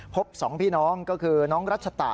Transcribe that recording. ๒พี่น้องก็คือน้องรัชตะ